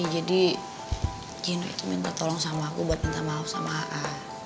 jadi jinu itu minta tolong sama aku buat minta maaf sama aa